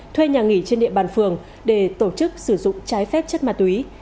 thuê nhà nghỉ trên địa bàn phường để tổ chức sử dụng trái phép chất ma túy